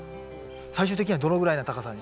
最終的にはどのぐらいの高さに？